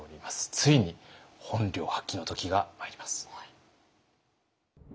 ついに本領発揮の時がまいります。